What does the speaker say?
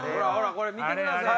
これ見てください。